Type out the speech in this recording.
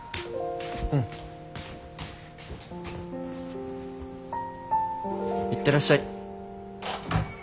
うん。いってらっしゃい。